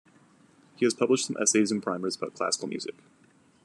He has published some essays and primers about classical music.